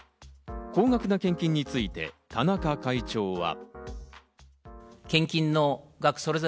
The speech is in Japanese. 高額な献金について田中会長は。